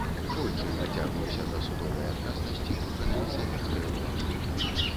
Тройчы прыцягваўся да судовай адказнасці органамі савецкай улады.